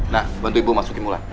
nah bantu ibu masukin mula